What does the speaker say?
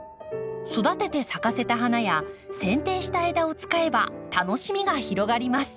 育てて咲かせた花やせん定した枝を使えば楽しみが広がります。